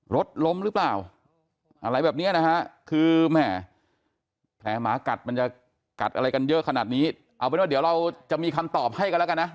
รถล้มหรือเปล่าอะไรแบบนี้นะฮะคือแหมแผลหมากัดมันจะกัดอะไรกันเยอะขนาดนี้เอาเป็นว่าเดี๋ยวเราจะมีคำตอบให้กันแล้วกันนะ